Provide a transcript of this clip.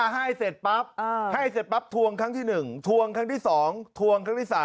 ให้เสร็จปั๊บทวงครั้งที่๑ทวงครั้งที่๒ทวงครั้งที่๓